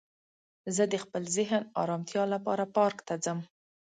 زه د خپل ذهن ارامتیا لپاره پارک ته ځم